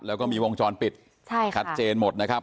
แล้วก็มีวงจรปิดชัดเจนหมดนะครับ